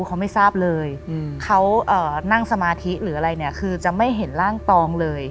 เขาไม่ทราบเลยเขานั่งสมาธิหรืออะไรเนี่ยคือจะไม่เห็นร่างตองเลย